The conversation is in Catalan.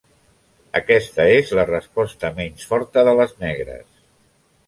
Aquest és la resposta menys forta de les negres.